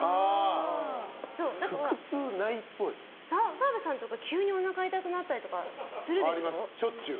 澤部さんとか急におなか痛くなったりするでしょ？